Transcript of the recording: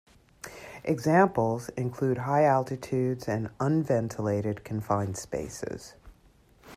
Examples include high altitudes and unventilated, confined spaces.